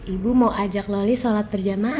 ibu mau ajak loli shalat terjemahan